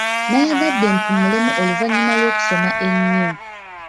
Nayagadde mpummulemu oluvanyuma lw'okusoma ennyo.